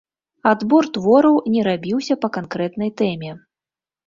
Адбор твораў не рабіўся па канкрэтнай тэме.